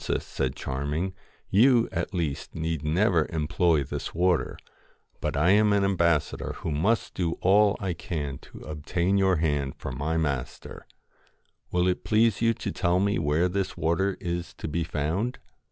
1 'Princess,' said Charming, 'you, at least, need never employ this water ; but I am an ambassador who must do all I can to obtain your hand for my master. Will it please you to tell me where this water is to be found